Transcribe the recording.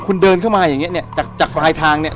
คุณเดินเข้ามาอย่างเงี้เนี่ยจากจากปลายทางเนี่ย